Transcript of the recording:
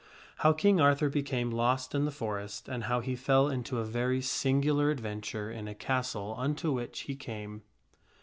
How King Arthur Became Lost in the Forest, and How He Fell Into a Very Singular Adventure in a Castle Unto Which He Came.